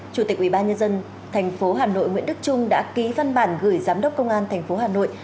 chủ tịch ubnd tp hà nội nguyễn đức trung đã ký văn bản gửi giám đốc công an tp hà nội